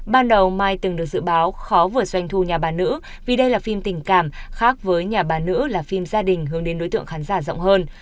ban đầu mai từng được dự báo khó vượt doanh thu nhà bà nữ vì đây là phim tình cảm khác với nhà bà nữ là phim gia đình hướng đến đối tượng khán giả rộng hơn